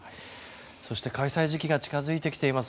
そして開催時期が近づいてきています